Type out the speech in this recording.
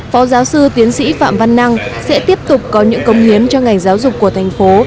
phó giáo sư tiến sĩ phạm văn năng sẽ tiếp tục có những công hiến cho ngành giáo dục của thành phố